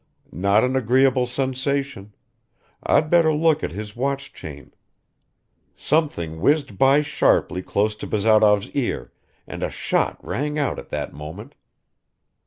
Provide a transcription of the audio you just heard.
Not an agreeable sensation. I'd better look at his watch chain Something whizzed by sharply close to Bazarov's ear, and a shot rang out at that moment.